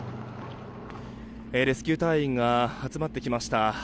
レスキュー隊員が集まってきました。